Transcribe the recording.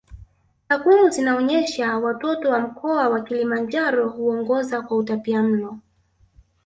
Takwimu zinaonyesha watoto wa mkoa wa Kilimanjaro huongoza kwa utapiamlo